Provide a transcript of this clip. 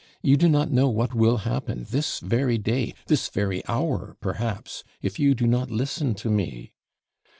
You do not know what will happen, this very day this very hour, perhaps if you do not listen to me.'